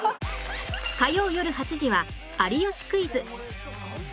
火曜よる８時は『有吉クイズ』